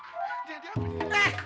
dia siapa nih